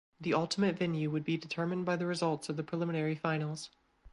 The ultimate venue would be determined by the results of the preliminary finals.